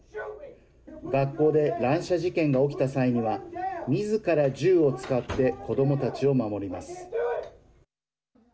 学校で乱射事件が起きた際にはみずから銃を使って子どもたちを守ります。